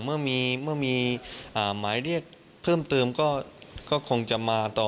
เมื่อมีหมายเรียกเพิ่มเติมก็คงจะมาต่อ